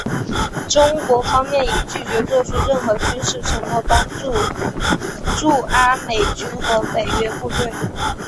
中国方面已拒绝做出任何军事承诺帮助驻阿美军和北约部队。